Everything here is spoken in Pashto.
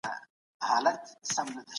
پروردګار ته د خپلو اعمالو ځواب ورکول پکار دي.